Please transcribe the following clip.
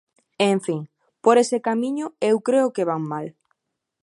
En fin, por ese camiño eu creo que van mal.